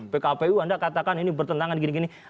pkpu anda katakan ini bertentangan gini gini